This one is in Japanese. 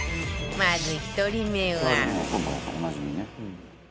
まず１人目は